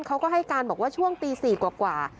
เขาก็ให้การบอกว่าช่วงตี๔กว่า